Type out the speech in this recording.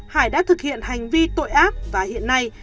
hải đã thực hiện hành vi tội ác và hiện nay